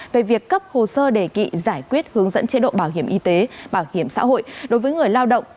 về việc cấp hồ sơ đề nghị giải quyết hướng dẫn chế độ bảo hiểm y tế bảo hiểm xã hội đối với người lao động